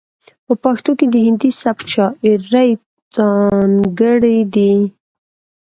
په پښتو کې د هندي سبک شاعرۍ ځاتګړنې دي.